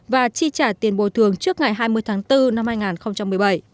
và chi trả tiền bồi thường trước ngày hai mươi tháng bốn năm hai nghìn một mươi bảy